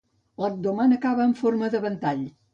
L'abdomen acaba en forma de ventall.